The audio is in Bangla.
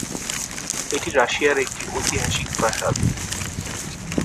এটি রাশিয়ার একটি ঐতিহাসিক প্রাসাদ।